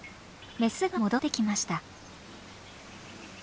メスが戻ってきました。